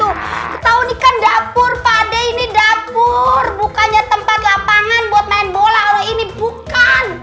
ketahuin kan dapur pak ade ini dapur bukannya tempat lapangan buat main bola orang ini bukan